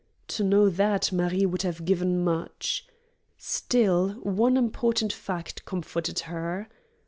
To know that, Marie would have given much. Still, one important fact comforted her.